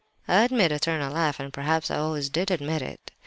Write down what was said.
—I admit eternal life—and perhaps I always did admit it.